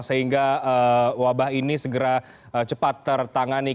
sehingga wabah ini segera cepat tertangani